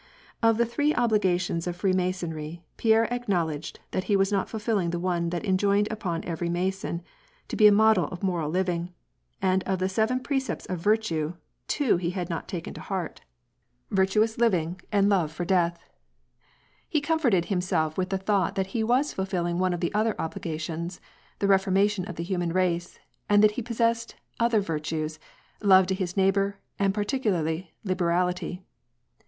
Of the three obligations of Freemasonry, Pierre acknowl edged that he was not fulfilling the one that enjoined upon every Mason to be a model of moral living ; and of the seven precepts of virtue, two he had not taken to hearty — virtaous WAR AND PEACE. 105 iiving and love for death. He comforted himself with the thought that he was fulfilling one of the other obligations, — the reformation of the humau race, and that he possessed the other virtues, love to his neighbor, and particularly liberality.